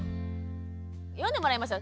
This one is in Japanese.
読んでもらいましょう。